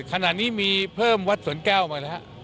ขณะนี้มีเพิ่มวัดสวนแก้วมาแล้วฮะ